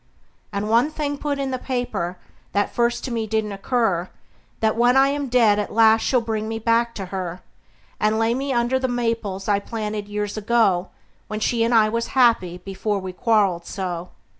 And one thing put in the paper, that first to me didn't occur: That when I am dead at last she'll bring me back to her; And lay me under the maples I planted years ago, When she and I was happy before we quarreled so.